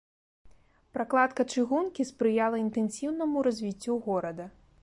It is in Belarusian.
Пракладка чыгункі спрыяла інтэнсіўнаму развіццю горада.